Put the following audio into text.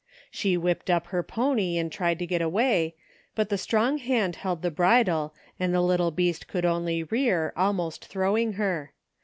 She whipped up her pony and tried to get away, but the strong hand held the bridle and the little beast could only rear, almost throwing her.